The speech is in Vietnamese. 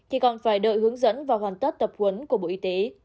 hoàn tất tập quấn của bộ y tế